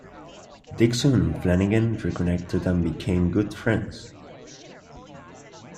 Dixon and Flanigan reconnected and became good friends.